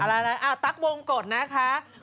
อะไรนะตั๊กวงกฎนะคะ